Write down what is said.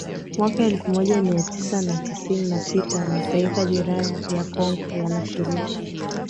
mwaka elfu moja Mia Tisa na tisini na sita Mataifa jirani ya Kongo yanashiriki